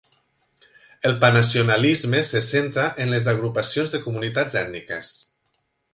El pannacionalisme se centra en les agrupacions de comunitats ètniques.